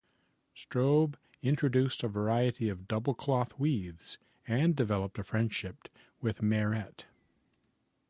Straub introduced a variety of double cloth weaves and developed a friendship with Mairet.